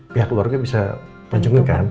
pihak keluarga bisa pajemin kan